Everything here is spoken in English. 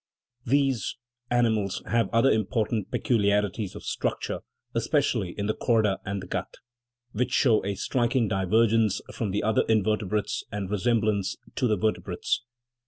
These animals have other important peculiarities of structure (especially in the chorda and the gut) which show a striking di vergence from the other invertebrates and resemblance to the vertebrates.